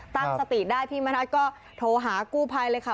ตั้งสติได้พี่มณัฐก็โทรหากู้ภัยเลยค่ะ